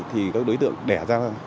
thì các đối tượng đẻ ra